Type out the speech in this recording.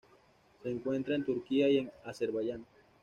Se encuentra en Turquía y en Azerbaiyán.